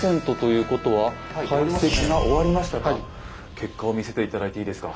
結果を見せて頂いていいですか？